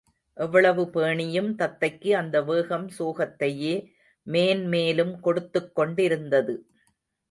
எவ்வளவு பேணியும் தத்தைக்கு அந்த வேகம் சோகத்தையே மேன்மேலும் கொடுத்துக் கொண்டிருந்தது.